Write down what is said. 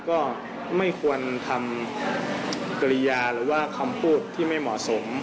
ก็ไม่ควรทำกริยาหรือว่าคำพูดที่ไม่เหมาะสม